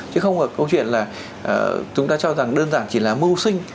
chứ không phải câu chuyện là chúng ta cho rằng đơn giản chỉ là mưu sinh